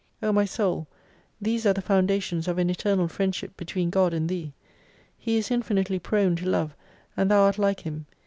O my Soul these are the foundations of an Eternal Friendship between God and Thee. He is infinitely prone to love, and thou art like Him.